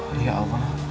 aduh ya allah